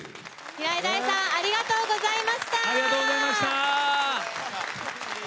平井大さんありがとうございました！